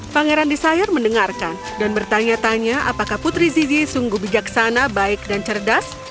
pangeran desire mendengarkan dan bertanya tanya apakah putri zizi sungguh bijaksana baik dan cerdas